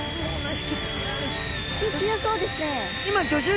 引き強そうですね。